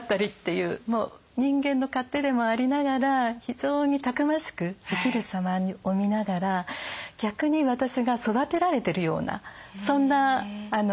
もう人間の勝手でもありながら非常にたくましく生きる様を見ながら逆に私が育てられてるようなそんな気持ちになることが多いです。